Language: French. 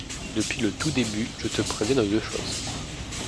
Depuis le tout début je te préviens de deux choses.